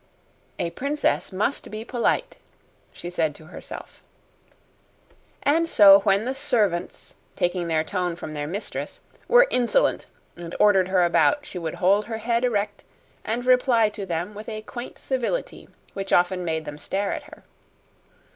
"A princess must be polite," she said to herself. And so when the servants, taking their tone from their mistress, were insolent and ordered her about, she would hold her head erect and reply to them with a quaint civility which often made them stare at her.